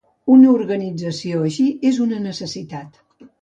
Una organització així és una necessitat